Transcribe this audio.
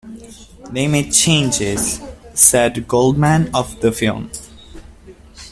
"They made changes," said Goldman of the film.